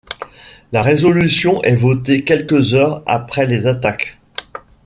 La résolution est voté quelques heures après les attaques.